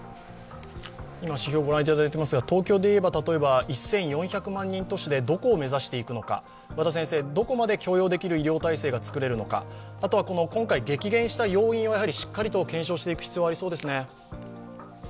指標を御覧いただいていますが、東京でいいますと１４００万人都市でどこを目指していくのか、どこまで許容できる医療体制ができるのか、あとは今回、激減した要因はしっかりと検証していく必要がありそうですね。